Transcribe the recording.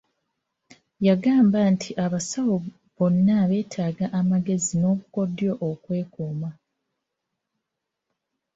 Yagamba nti abasawo bonna beetaaga amagezi n'obukodyo okwekuuma.